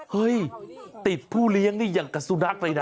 เฮ้ยติดผู้เลี้ยงอย่างกัสดรักษ์เลยน่ะ